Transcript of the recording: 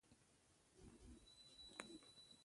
هغه وویل: هغه ځای د معمارۍ لپاره نه دی.